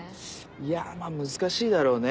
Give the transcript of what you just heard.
いやまぁ難しいだろうね